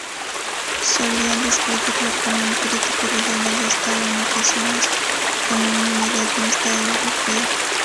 Solían describirlo como un crítico regionalista o en ocasiones como un modernista europeo.